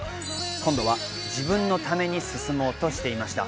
今度は自分のために進もうとしていました。